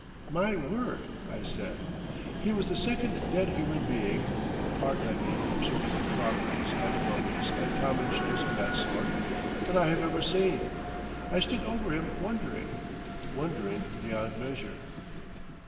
"My word!" I said. He was the second dead human being—apart, I mean, from surgical properties and mummies and common shows of that sort—that I have ever seen. I stood over him wondering, wondering beyond measure.